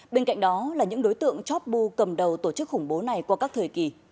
bên cạnh đó là những đối tượng chót bu cầm đầu tổ chức khủng bố này qua các thời kỳ